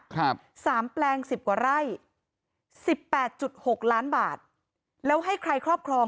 ๓แปลง๑๐กว่าไร่๑๘๖ล้านบาทแล้วให้ใครครอบครอง